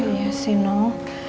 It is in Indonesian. iya sih noh